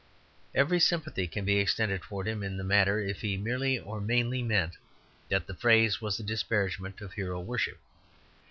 Every sympathy can be extended towards him in the matter if he merely or mainly meant that the phrase was a disparagement of hero worship.